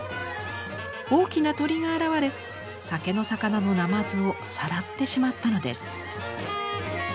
大きな鳥が現れ酒の肴の鯰をさらってしまったのです。